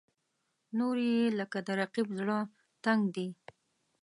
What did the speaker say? نورې یې لکه د رقیب زړه تنګ دي.